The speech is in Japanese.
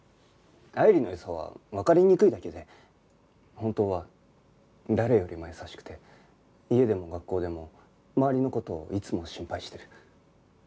愛理の良さはわかりにくいだけで本当は誰よりも優しくて家でも学校でも周りの事をいつも心配してる。